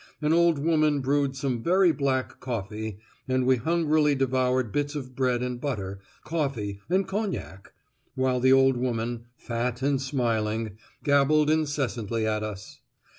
An old woman brewed some very black coffee, and we hungrily devoured bits of bread and butter, coffee, and cognac; while the old woman, fat and smiling, gabbled incessantly at us!